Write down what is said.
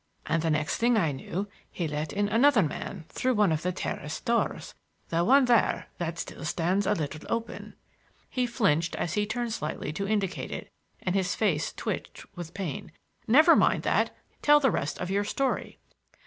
And the next thing I knew he let in another man through one of the terrace doors,—the one there that still stands a little open." He flinched as be turned slightly to indicate it, and his face twitched with pain. "Never mind that; tell the rest of your story."